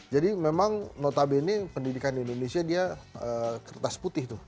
memang notabene pendidikan di indonesia dia kertas putih tuh